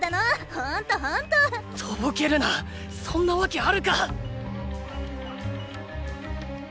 ほんとほんと！とぼけるなそんなわけあるか！